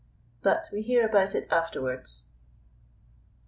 But we hear about it afterwards.